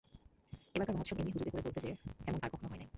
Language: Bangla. এবারকার মহোৎসব এমনি হুজুগ করে করবে যে, এমন আর কখনও হয় নাই।